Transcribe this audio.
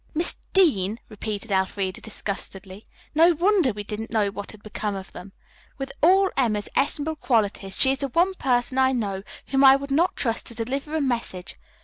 "Miss Dean," repeated Elfreda disgustedly. "No wonder we didn't know what had become of them. With all Emma's estimable qualities, she is the one person I know whom I would not trust to deliver a message.